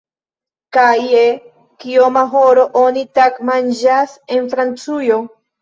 Kaj je kioma horo oni tagmanĝas en Francujo?